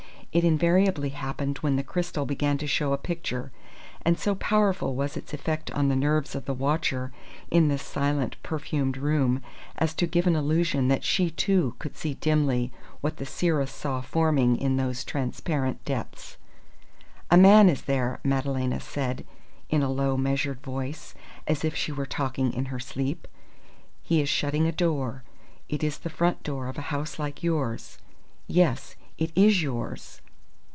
It invariably happened when the crystal began to show a picture; and so powerful was its effect on the nerves of the watcher in this silent, perfumed room, as to give an illusion that she, too, could see dimly what the seeress saw forming in those transparent depths. "A man is there," Madalena said in a low, measured voice, as if she were talking in her sleep. "He is shutting a door. It is the front door of a house like yours. Yes, it is yours.